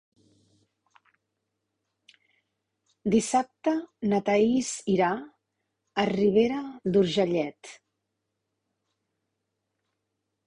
Dissabte na Thaís irà a Ribera d'Urgellet.